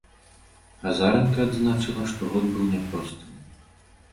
Азаранка адзначыла, што год быў няпростым.